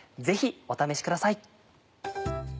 ぜひお試しください。